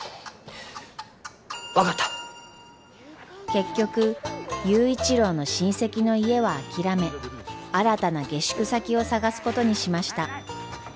結局佑一郎の親戚の家は諦め新たな下宿先を探すことにしました。